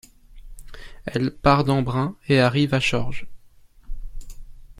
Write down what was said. Elle part d'Embrun et arrive à Chorges.